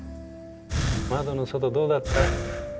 窓の外どうだった？